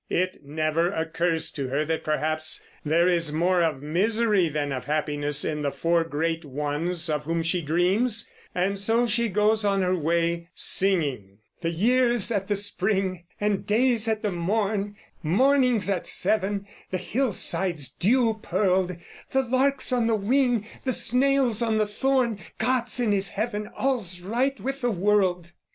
It never occurs to her that perhaps there is more of misery than of happiness in the four great ones of whom she dreams; and so she goes on her way singing, The year's at the spring And day's at the morn; Morning's at seven; The hillside's dew pearled; The lark's on the wing; The snail's on the thorn: God's in his heaven All's right with the world!